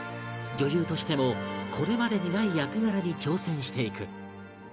女優としてもこれまでにない役柄に挑戦していく